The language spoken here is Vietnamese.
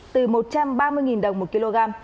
từ một trăm ba mươi đồng một kg